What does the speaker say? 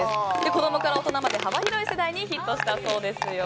子供から大人まで幅広い世代にヒットしたそうですよ。